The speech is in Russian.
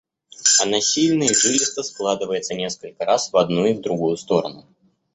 Она сильно и жилисто складывается несколько раз в одну и в другую сторону.